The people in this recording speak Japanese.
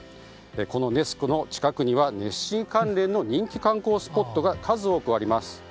このネス湖の近くにはネッシー関連の人気観光スポットが数多くあります。